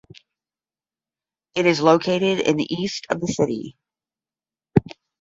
It is located in the east of the city.